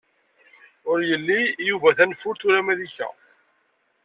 Ur ili Yuba tanfult wala Malika.